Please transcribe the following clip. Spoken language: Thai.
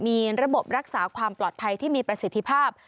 มีระบบรักษาความปลอดภัยที่มีประสิทธิภาพ